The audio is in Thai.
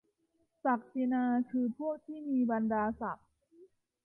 ศักดินาคือพวกที่มีบรรดาศักดิ์ ?